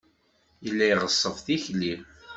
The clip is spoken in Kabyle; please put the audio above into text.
Yella iɣeṣṣeb tikli.